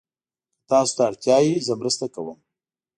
که تاسو ته اړتیا وي، زه مرسته کوم.